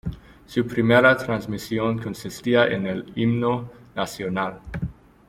Su primera transmisión consistía en el Himno Nacional.